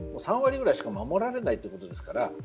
３割ぐらいしか守られないということですから。